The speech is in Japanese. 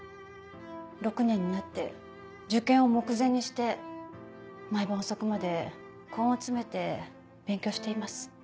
６年になって受験を目前にして毎晩遅くまで根を詰めて勉強をしています。